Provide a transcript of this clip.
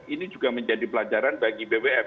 ini juga menjadi pelajaran bagi bwf